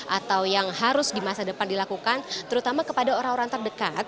atau yang harus di masa depan dilakukan terutama kepada orang orang terdekat